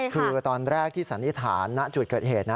คือตอนแรกที่สันนิษฐานณจุดเกิดเหตุนะ